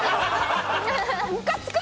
ムカつく！